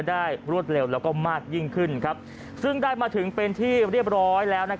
รวดเร็วแล้วก็มากยิ่งขึ้นซึ่งได้มาถึงเป็นที่เรียบร้อยแล้ว